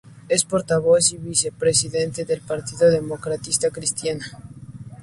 Es portavoz y vicepresidente del Partido Demócrata Cristiano.